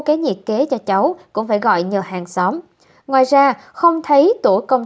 cái nhiệt kế cho cháu cũng phải gọi nhờ hàng xóm ngoài ra không thấy tổ công